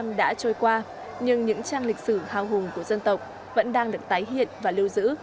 bảy mươi năm đã trôi qua nhưng những trang lịch sử hào hùng của dân tộc vẫn đang được tái hiện và lưu giữ